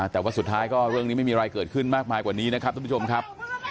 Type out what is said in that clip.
แต่ว่าสุดท้ายก็เรื่องนี้ไม่มีอะไรเกิดขึ้นมากมายกว่านี้นะครับท่านผู้ชมครับ